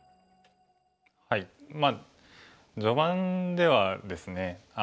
まあ序盤ではですね